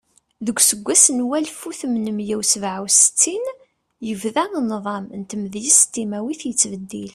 Deg useggas n walef u tmenmiya u sebɛa U settin, yebda nḍam n tmedyazt timawit yettbeddil.